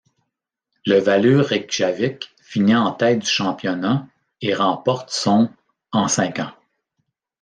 Le Valur Reykjavik finit en tête du championnat et remporte son en cinq ans.